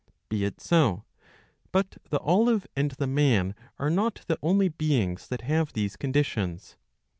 '^ Be it so. But the olive and the man are not the only beings that have these conditions.